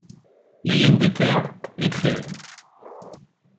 Leyendecker, est créé.